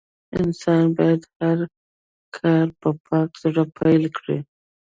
انسان بايد هر کار په پاک زړه پيل کړي.